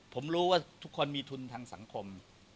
ผมรู้ว่าทุกคนมีทุนทางสังคม